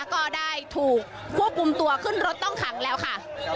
ก็ได้ถูกควบคุมตัวขึ้นรถต้องขังแล้วค่ะ